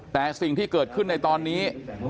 แต่สิ่งที่เกิดขึ้นในตอนนี้